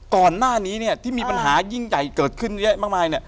ก่อนหน้านี้ที่มีปัญหายิ่งใหญ่เกิดขึ้นเยอะมากมาย